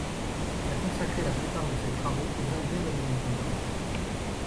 Il a consacré la plupart de ses travaux aux Indiens d'Amérique du Nord.